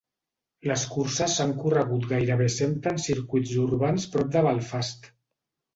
Les curses s'han corregut gairebé sempre en circuits urbans prop de Belfast.